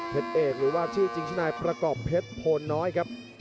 เพชรเอกหรือว่าที่จิงชินายประกอบเพชรโพนน้อยครับ